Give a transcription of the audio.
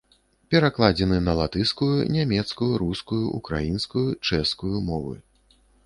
Перакладзены на латышскую, нямецкую, рускую, украінскую, чэшскую мовы.